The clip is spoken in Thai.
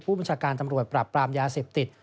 บัญชาการตำรวจปรับปรามยาเสพติด